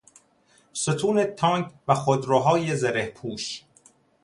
ستون تانک و خودروهای زرهپوش